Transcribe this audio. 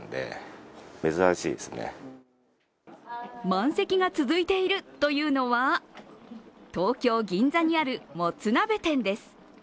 満席が続いているというのは東京・銀座にあるもつ鍋店です。